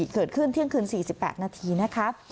เกิดขึ้นเที่ยงคืน๔๘นาทีนะคะ